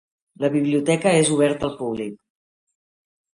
La biblioteca és oberta al públic.